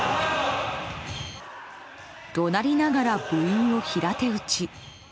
怒鳴りながら部員を平手打ち。